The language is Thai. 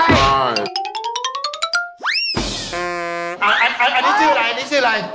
อันนี้ชื่ออะไร